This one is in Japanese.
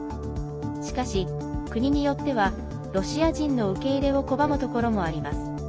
しかし、国によってはロシア人の受け入れを拒むところもあります。